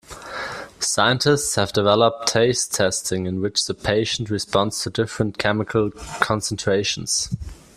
Scientists have developed taste testing in which the patient responds to different chemical concentrations.